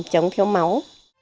chống thiếu máu